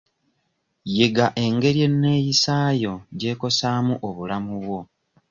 Yiga engeri eneeyisa yo gy'ekosaamu obulamu bwo.